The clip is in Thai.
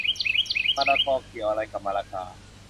มะละกอ เกี่ยวอะไรกับมะละกา